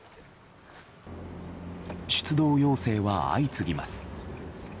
出動要請は相次ぎます。